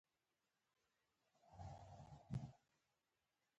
د لاسوندو له مخې به پر کورنيو ربړو هرومرو چار يا غور کېږي.